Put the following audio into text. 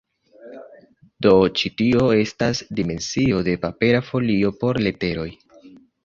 Do ĉi tio estas dimensio de papera folio por leteroj.